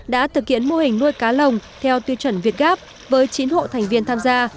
đã thực hiện mô hình nuôi cá lồng theo tiêu chuẩn việt gáp với chín hộ thành viên tham gia